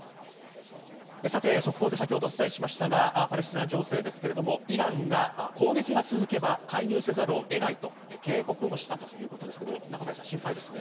さて、速報で先ほど、お伝えしましたパレスチナ情勢ですがイランが、攻撃が続けば介入せざるを得ないと警告をしたということですけど中林さん、心配ですね。